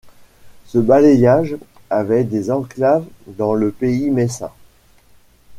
Ce bailliage avait des enclaves dans le pays messin.